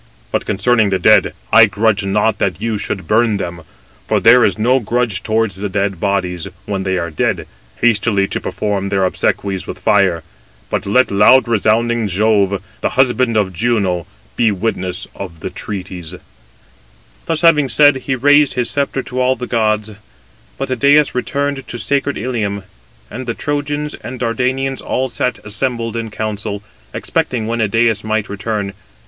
But concerning the dead, I grudge not that [you] should burn them; for there is no grudge towards the dead bodies, when they are dead, hastily to perform their obsequies with fire: 263 but let loud resounding Jove, the husband of Juno, be witness of the treaties." Footnote 263: (return) Literally, "to appease [the dead]." Thus having said, he raised his sceptre to all the gods. But Idæus returned to sacred Ilium. And the Trojans and Dardanians all sat assembled in council, expecting when Idæus might return.